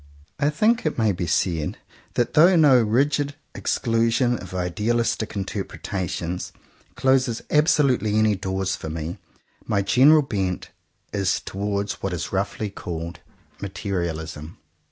I think it may be said that though no rigid exclusion of idealistic interpretations closes absolutely any door for me, my general bent is towards what is roughly 43 CONFESSIONS OF TWO BROTHERS called materialism.